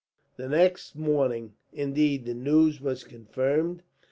The next morning, indeed, the news was confirmed.